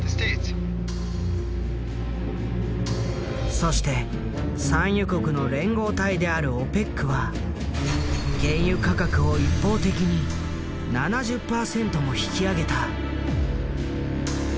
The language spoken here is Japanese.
そして産油国の連合体であるＯＰＥＣは原油価格を一方的に７０％も引き上げた。